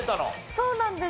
そうなんです。